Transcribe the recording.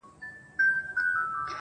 o ډبره د يتيم د سره نه چپېږى٫